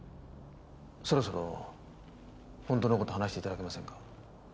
そろそろ本当の事話していただけませんか？